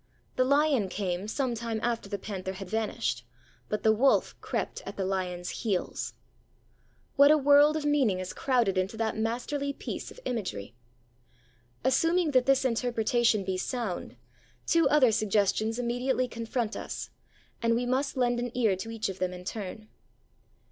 The lion came some time after the panther had vanished; but the wolf crept at the lion's heels. What a world of meaning is crowded into that masterly piece of imagery! Assuming that this interpretation be sound, two other suggestions immediately confront us; and we must lend an ear to each of them in turn.